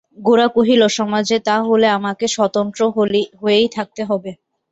গোরা কহিল, সমাজে তা হলে আমাকে স্বতন্ত্র হয়েই থাকতে হবে।